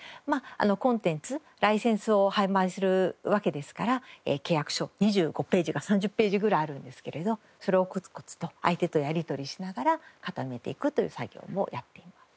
コンテンツライセンスを販売するわけですから契約書２５ページから３０ページぐらいあるんですけれどそれをコツコツと相手とやりとりしながら固めていくという作業もやっています。